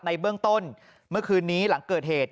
ในเบื้องต้นเมื่อคืนนี้หลังเกิดเหตุ